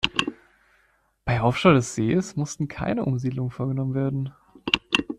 Beim Aufstau des Sees mussten keine Umsiedlungen vorgenommen werden.